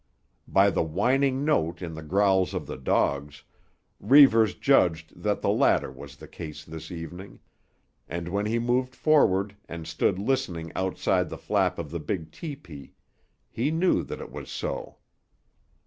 By the whining note in the growls of the dogs, Reivers judged that the latter was the case this evening; and when he moved forward and stood listening outside the flap of the big tepee he knew that it was so.